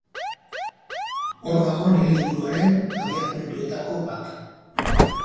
Hor dago nire liburuaren abiapuntuetako bat.